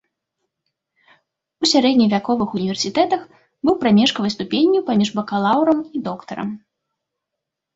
У сярэдневяковых універсітэтах быў прамежкавай ступенню паміж бакалаўрам і доктарам.